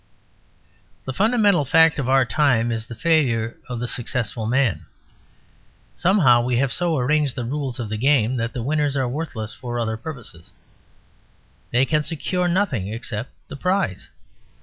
The fundamental fact of our time is the failure of the successful man. Somehow we have so arranged the rules of the game that the winners are worthless for other purposes; they can secure nothing except the prize.